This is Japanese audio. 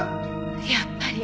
やっぱり。